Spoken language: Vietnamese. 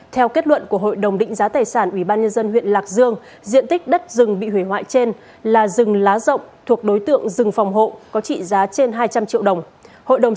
theo kết luận của hội đồng định giá tài sản ubnd huyện lạc dương diện tích đất rừng bị hủy hoại trên là rừng lá rộng thuộc đối tượng rừng phòng hộ có trị giá trên hai trăm linh triệu đồng